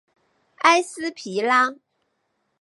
埃斯皮拉。